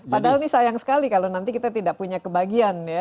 padahal ini sayang sekali kalau nanti kita tidak punya kebagian ya